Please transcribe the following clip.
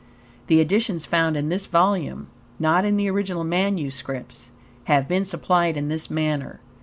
The additions found in this volume, not in the original manuscripts, have been supplied in this manner.